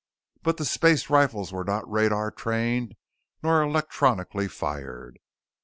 But the space rifles were not radar trained nor electronically fired.